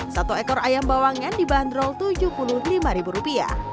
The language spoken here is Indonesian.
satu ekor ayam bawangan dibanderol rp tujuh puluh lima